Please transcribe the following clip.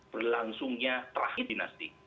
berlangsungnya terakhir dinasti